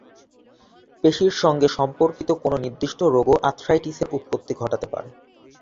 পেশীর সঙ্গে সম্পর্কিত কিছু নির্দিষ্ট রোগও আর্থ্রাইটিস-এর উৎপত্তি ঘটাতে পারে।